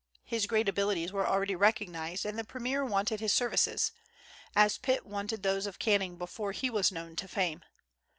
His great abilities were already recognized, and the premier wanted his services, as Pitt wanted those of Canning before he was known to fame.